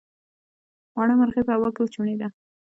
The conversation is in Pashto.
وړه مرغۍ په هوا کې وچوڼېده.